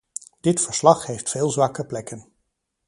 Dit verslag heeft veel zwakke plekken.